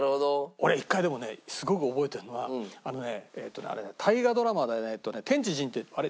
俺一回でもねすごく覚えてるのはえっとねあれ大河ドラマでね『天地人』ってあれ？